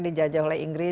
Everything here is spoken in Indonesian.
dijajah oleh inggris